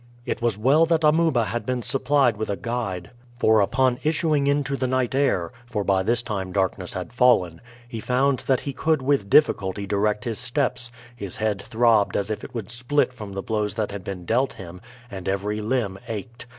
It was well that Amuba had been supplied with a guide, for upon issuing into the night air for by this time darkness had fallen he found that he could with difficulty direct his steps; his head throbbed as if it would split from the blows that had been dealt him, and every limb ached.